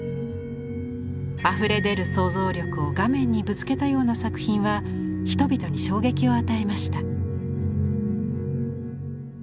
あふれ出る想像力を画面にぶつけたような作品は人々に衝撃を与えました。